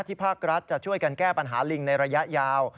ภาครัฐจะช่วยกันแก้ปัญหาลิงในระยะยาว